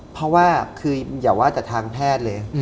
เพราะว่าคืออย่าว่าแต่ทางแพทย์เลย